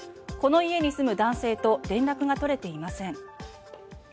この家に住む男性と連絡が取れていません。